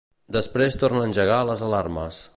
Després torna a engegar les alarmes.